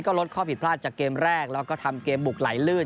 ก็ลดข้อผิดพลาดจากเกมแรกแล้วก็ทำเกมบุกไหลลื่น